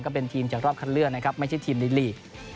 เป็นทีมจากรอบคันเลือกนะครับไม่ใช่ทีมในลีก